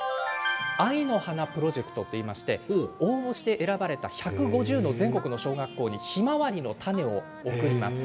愛の花プロジェクトといいまして応募して選ばれた１５０の全国の小学校にひまわりの種を送ります。